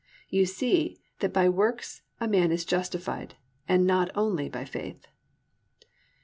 Ye see that by works a man is justified, and not only by faith."